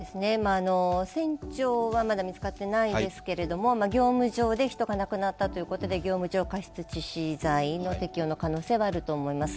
船長はまだ見つかっていないですけれども、業務上で人が亡くなったということで業務上過失致死罪の適用の可能性はあると思います。